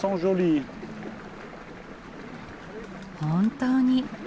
本当に。